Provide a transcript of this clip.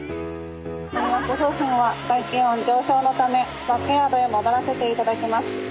このあと楓浜は外気温上昇のためバックヤードへ戻らせていただきます。